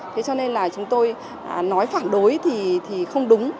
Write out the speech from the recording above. thế cho nên là chúng tôi nói phản đối thì không đúng